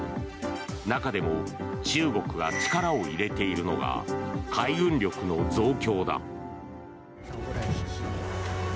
中でも中国が力を入れているのが海軍力の増強だ。